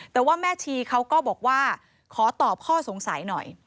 แต่ว่าแม่ชีเขาก็บอกว่าขอตอบข้อสงสัยหน่อย